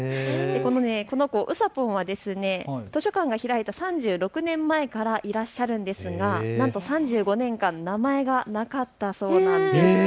この子うさぽんは図書館が開いた３６年前からいらっしゃるんですが、なんと３５年間名前がなかったそうなんです。